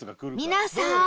皆さん！